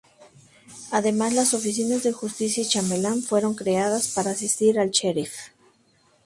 Además, las oficinas de justicia y chambelán fueron creadas para asistir al sheriff.